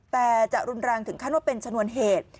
แต่จะรุนแรงถึงขั้นว่าเป็นชนวนเหตุ